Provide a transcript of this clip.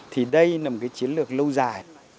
thì đây là một chiến lược lâu dài